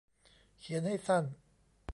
เขียนให้สั้น